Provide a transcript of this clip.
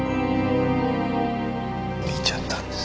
見ちゃったんです。